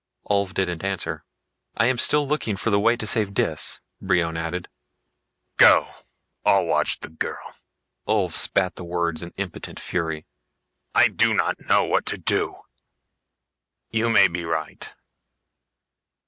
Ulv didn't answer. "I am still looking for the way to save Dis," Brion added. "Go I'll watch the girl!" Ulv spat words in impotent fury. "I do not know what to do. You may be right.